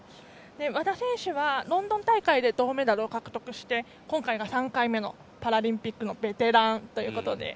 和田選手はロンドン大会で銅メダルを獲得して今回が３回目のパラリンピックのベテランということで。